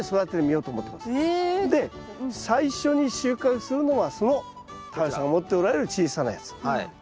で最初に収穫するのはその太陽さんが持っておられる小さなやつ。